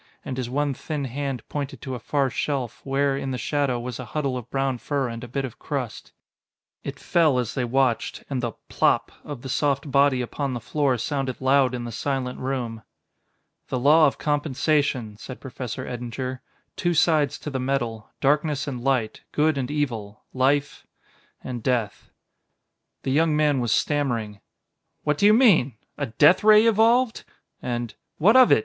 And his one thin hand pointed to a far shelf, where, in the shadow, was a huddle of brown fur and a bit of crust. It fell as they watched, and the "plop" of the soft body upon the floor sounded loud in the silent room. "The law of compensation," said Professor Eddinger. "Two sides to the medal! Darkness and light good and evil life ... and death!" The young man was stammering. "What do you mean? a death ray evolved?" And: "What of it?"